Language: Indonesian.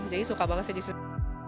jadi suka banget sih disini